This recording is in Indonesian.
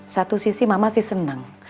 satu sisi mama sih senang